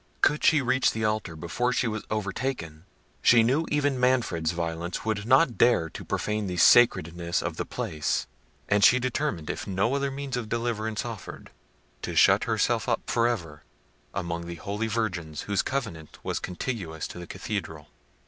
Could she reach the altar before she was overtaken, she knew even Manfred's violence would not dare to profane the sacredness of the place; and she determined, if no other means of deliverance offered, to shut herself up for ever among the holy virgins whose convent was contiguous to the cathedral.